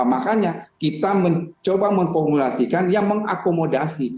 makanya kita mencoba memformulasikan yang mengakomodasi